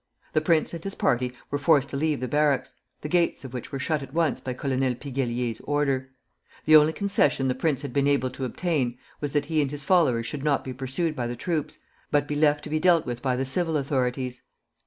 The prince and his party were forced to leave the barracks, the gates of which were shut at once by Colonel Piguellier's order. The only concession the prince had been able to obtain was that he and his followers should not be pursued by the troops, but be left to be dealt with by the civil authorities.